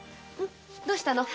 どうしたの？